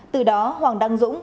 từ đó hoàng đăng dũng